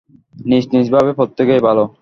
নিজ নিজ ভাবে প্রত্যেকেই ভাল।